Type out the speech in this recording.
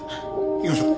行きましょう。